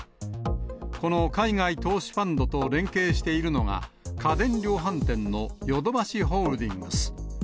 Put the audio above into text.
この海外投資ファンドと連携しているのが、家電量販店のヨドバシホールディングス。